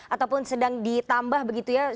ataupun sedang ditambah begitu ya